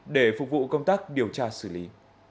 để phục vụ công tác điều tra xử lý